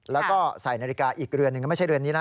แล้วก็ใส่นาฬิกาอีกเรือนหนึ่งก็ไม่ใช่เรือนนี้นะ